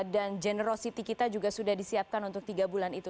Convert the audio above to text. dan generosity kita juga sudah disiapkan untuk tiga bulan itu